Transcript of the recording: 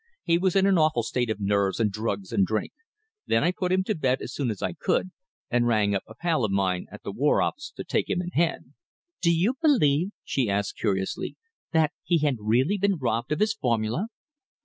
"He was in an awful state of nerves and drugs and drink. Then I put him to bed as soon as I could, and rang up a pal of mine at the War Office to take him in hand." "Do you believe," she asked curiously, "that he had really been robbed of his formula?"